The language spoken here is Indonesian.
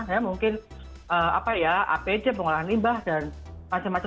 ya mungkin apd pengolahan limbah dan macam macam ya